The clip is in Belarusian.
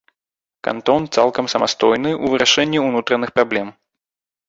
Кантон цалкам самастойны ў вырашэнні ўнутраных праблем.